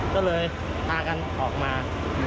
ก็เลยพากันออกมา